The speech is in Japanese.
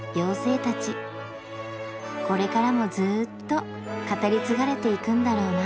これからもずっと語り継がれていくんだろうな。